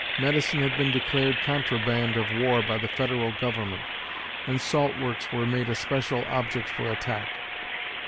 Medicine had been declared contraband of war by the Federal Government, and salt works were made a special object for attack.